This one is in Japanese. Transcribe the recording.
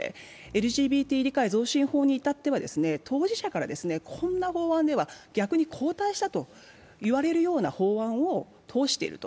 ＬＧＢＴ理解増進法に至っては当事者からこんな法案では逆に後退したと言われるような法案を通していると。